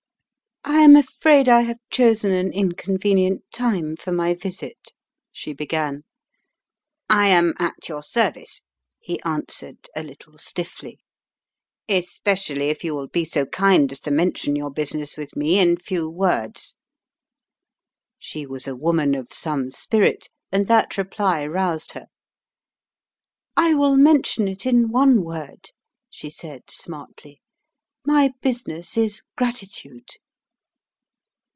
"I am afraid I have chosen an inconvenient time for my visit," she began. "I am at your service," he answered, a little stiffly, "especially if you will be so kind as to mention your business with me in few words." She was a woman of some spirit, and that reply roused her. "I will mention it in one word," she said, smartly." My business is gratitude."